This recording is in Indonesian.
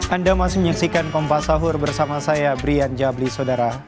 anda masih menyaksikan kompas sahur bersama saya brian jablis saudara